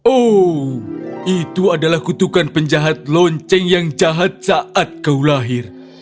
oh itu adalah kutukan penjahat lonceng yang jahat saat kau lahir